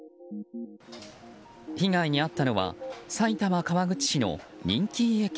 被害に遭ったのは埼玉・川口市の人気家系